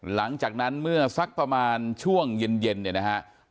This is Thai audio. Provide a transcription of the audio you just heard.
หลังจากนั้นเมื่อสักประมาณช่วงเย็นเนี่ยนะฮะ